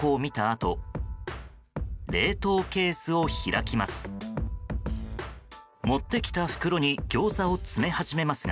あと冷凍ケースを開きます。